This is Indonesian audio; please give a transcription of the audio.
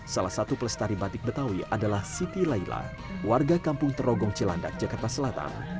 salah satu pelestari batik betawi adalah siti laila warga kampung terogong cilandak jakarta selatan